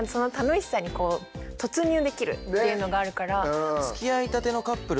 っていうのがあるから。